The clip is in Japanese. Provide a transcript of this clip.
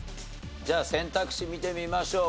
じゃあ選択肢見てみましょう。